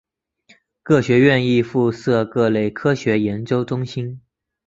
各学院亦附设各类科学研究中心。